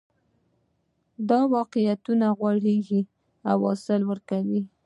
دا واقعیتونه غوړېږي او حاصل ورکوي